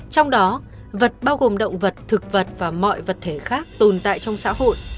trong đó vật bao gồm động vật thực vật và mọi vật thể khác tồn tại trong xã hội